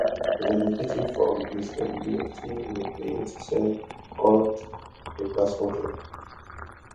The vegetative form is a multinucleate cell, called a plasmodium.